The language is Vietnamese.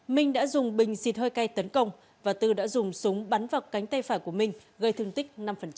minh đã dùng bình xịt hơi cay tấn công và tư đã dùng súng bắn vào cánh tay phải của minh gây thương tích năm